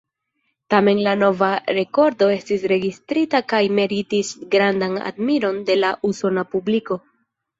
Tamen la nova rekordo estis registrita kaj meritis grandan admiron de la usona publiko.